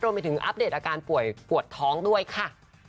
รวมไปถึงอัปเดตอาการป่วยปวดท้องด้วยค่ะ